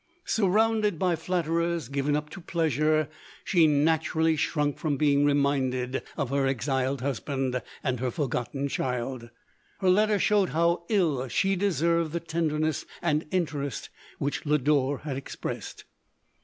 Surrounded by m 2 244 LODORE. flatterers, given up to pleasure, she naturally shrunk from being reminded of her exiled hus band and her forgotten child. Her letter showed how ill she deserved the tenderness and interest which Lodore had expressed.